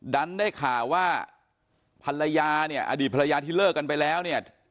ดันได้ข่าวว่าภรรยาเนี่ยอดีตภรรยาที่เลิกกันไปแล้วเนี่ย